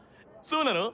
そうなの？